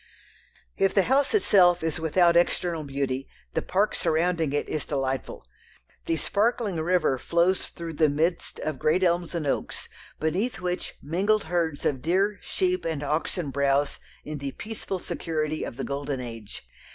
If the house itself is without external beauty, the park surrounding it is delightful. The sparkling river flows through the midst of great elms and oaks beneath which mingled herds of deer, sheep, and oxen browse in the peaceful security of the golden age.